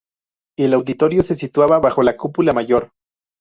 El auditorio se situaba bajo la cúpula mayor.